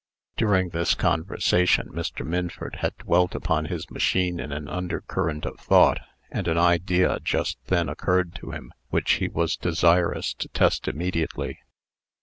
During this conversation, Mr. Minford had dwelt upon his machine in an undercurrent of thought; and an idea just then occurred to him, which he was desirous to test immediately.